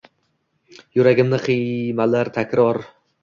Yuragimni qiymalar takror